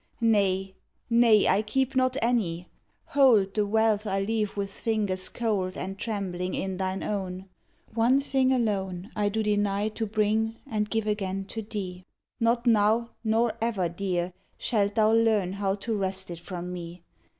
Nay, nay; I keep not any. Hold The wealth I leave with fingers cold And trembling in thine own. One thing Alone I do deny to bring And give again to thee. Not now, Nor ever, Dear, shalt thou learn how To wrest it from me.